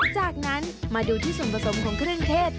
จากนั้นมาดูที่ส่วนผสมของเครื่องเทศ